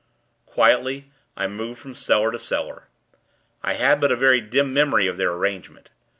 Quietly, I moved from cellar to cellar. I had but a very dim memory of their arrangement.